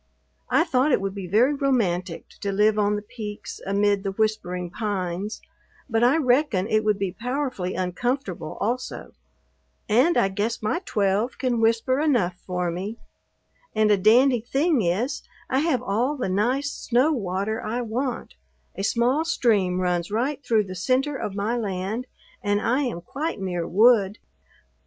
I thought it would be very romantic to live on the peaks amid the whispering pines, but I reckon it would be powerfully uncomfortable also, and I guess my twelve can whisper enough for me; and a dandy thing is, I have all the nice snow water I want; a small stream runs right through the center of my land and I am quite near wood.